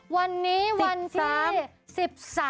วันนี้วันที่๑๓